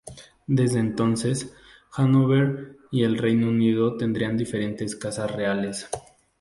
Desde entonces, Hannover y el Reino Unido tendrían diferentes casas reales.